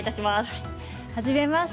はじめまして。